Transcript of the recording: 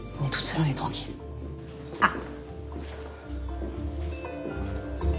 あっ。